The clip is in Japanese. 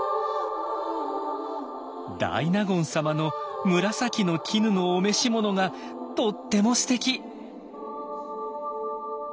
「大納言様の紫の絹のお召し物がとってもすてき！」。